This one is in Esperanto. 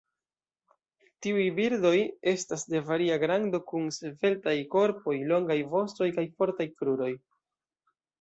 Tiuj birdoj estas de varia grando kun sveltaj korpoj, longaj vostoj kaj fortaj kruroj.